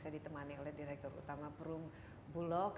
saya ditemani oleh direktur utama perum bulog